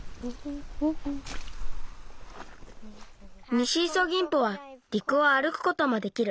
ニシイソギンポはりくをあるくこともできる。